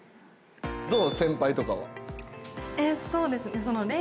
どう？